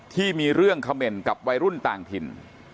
ที่มีเรื่องเขม่นกับวัยรุ่นต่างถิ่น